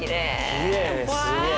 きれいすげえ。